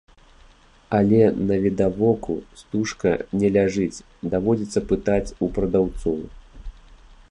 Але навідавоку стужка не ляжыць, даводзіцца пытаць у прадаўцоў.